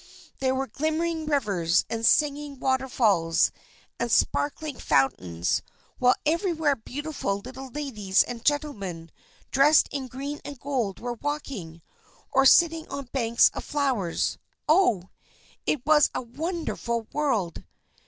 There were glimmering rivers, and singing waterfalls, and sparkling fountains; while everywhere beautiful little ladies and gentlemen, dressed in green and gold, were walking, or sitting on banks of flowers. Oh! it was a wonderful world!